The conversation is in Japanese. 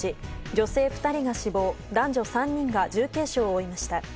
女性２人が死亡男女３人が重軽傷を負いました。